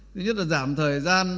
thứ nhất là giảm thời gian